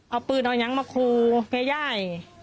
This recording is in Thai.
เอ้าปืนเอาอย่างมาคงเพยาย่าย